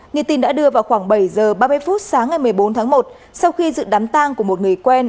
như tin đã đưa vào khoảng bảy h ba mươi phút sáng ngày một mươi bốn tháng một sau khi dựng đám tang của một người quen